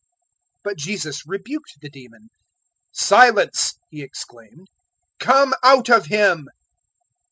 004:035 But Jesus rebuked the demon. "Silence!" He exclaimed; "come out of him."